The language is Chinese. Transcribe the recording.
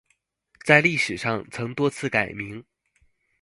在历史上曾多次改名。